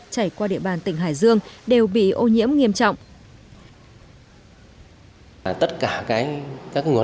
chảy qua địa bàn tỉnh hải dương